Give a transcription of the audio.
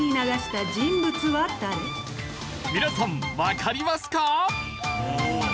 皆さんわかりますか？